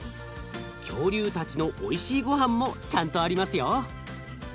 恐竜たちのおいしいごはんもちゃんとありますよ。